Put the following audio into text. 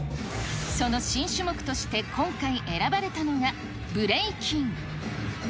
その新種目として今回選ばれたのがブレイキン。